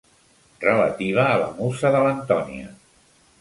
Relativa a la musa de l'Antònia.